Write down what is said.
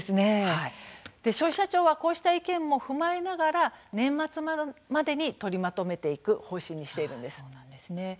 消費者庁はこうした意見も踏まえながら年末までに取りまとめていく方針にしているんです。